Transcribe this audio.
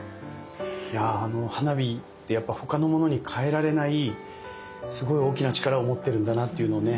花火ってやっぱ他のものにかえられないすごい大きな力を持ってるんだなっていうのをね